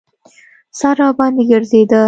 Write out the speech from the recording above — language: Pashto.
سر راباندې ګرځېده.